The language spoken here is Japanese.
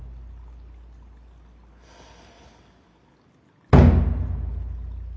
ふう。